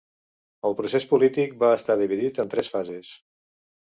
El procés polític va estar dividit en tres fases.